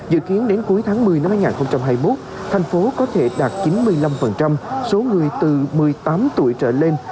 dự kiến đến cuối tháng một mươi năm hai nghìn hai mươi một thành phố có thể đạt chín mươi năm số người từ một mươi tám tuổi trở lên